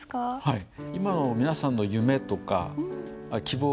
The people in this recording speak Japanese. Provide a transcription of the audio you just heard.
はい。